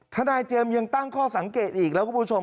ทนายเจมส์ยังตั้งข้อสังเกตอีกแล้วคุณผู้ชม